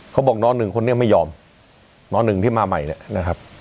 เขาบอกนหนึ่งคนนี้ไม่ยอมนหนึ่งที่มาใหม่เนี่ยนะครับ